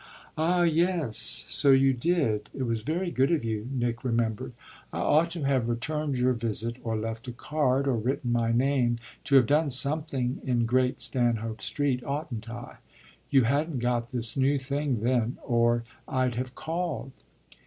"Ah yes, so you did; it was very good of you" Nick remembered. "I ought to have returned your visit or left a card or written my name to have done something in Great Stanhope Street, oughtn't I? You hadn't got this new thing then, or I'd have 'called.'"